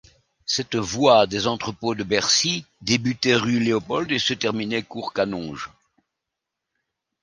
Cette voie des entrepôts de Bercy débutait rue Léopold et se terminait cour Canonge.